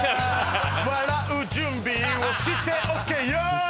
笑う準備をしておけよ